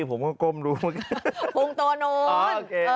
ผมก็ก้มดูเมื่อกี้พุงตัวนู้นอ่าโอเคเออ